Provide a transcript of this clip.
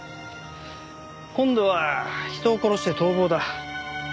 今度は人を殺して逃亡だ。